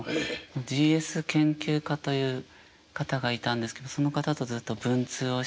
ＧＳ研究家という方がいたんですけどその方とずっと文通をしたりして。